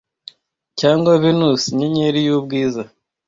cyangwa venus inyenyeri y'ubwiza